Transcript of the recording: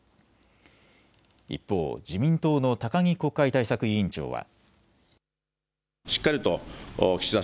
一方、自民党の高木国会対策委員長は。